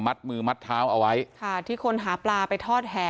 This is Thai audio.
มือมัดเท้าเอาไว้ค่ะที่คนหาปลาไปทอดแห่